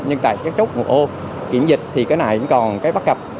nhưng tại các trúc ngụ ô kiểm dịch thì cái này còn cái bắt gặp